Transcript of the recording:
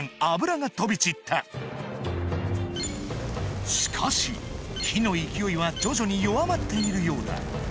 油が飛び散ったしかし火の勢いは徐々に弱まっているようだ